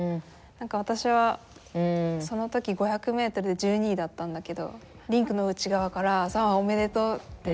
私はその時５００ｍで１２位だったんだけどリンクの内側から「サンファおめでとう」って。